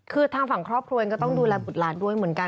คือทางฝั่งครอบครัวเองก็ต้องดูแลบุตรหลานด้วยเหมือนกัน